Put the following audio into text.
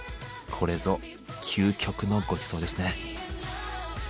これぞ究極のごちそうですね。